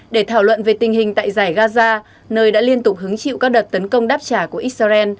để thảo luận về tình hình tại giải gaza nơi đã liên tục hứng chịu các đợt tấn công đáp trả của israel